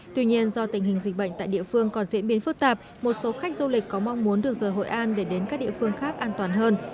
tuy nhiên do tình hình dịch bệnh tại địa phương còn diễn biến phức tạp một số khách du lịch có mong muốn được rời hội an để đến các địa phương khác an toàn hơn